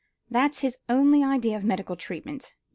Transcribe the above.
That's his only idea of medical treatment.